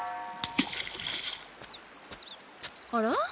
あら？